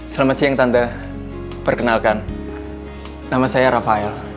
selamat siang tanda perkenalkan nama saya rafael